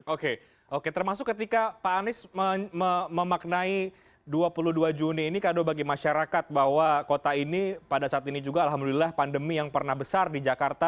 oke oke termasuk ketika pak anies memaknai dua puluh dua juni ini kado bagi masyarakat bahwa kota ini pada saat ini juga alhamdulillah pandemi yang pernah besar di jakarta